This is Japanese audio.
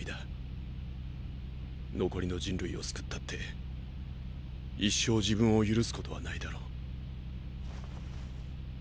残りの人類を救ったって一生自分を許すことはないだろう。